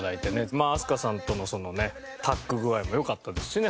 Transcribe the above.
まあ飛鳥さんとのそのねタッグ具合もよかったですしね